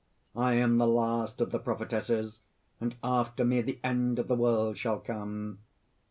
I am the last of the prophetesses; and after me the end of the world shall come."